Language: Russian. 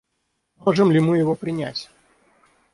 Можем ли мы его принять?